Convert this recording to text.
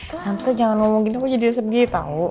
tante jangan ngomongin aku jadi sedih tau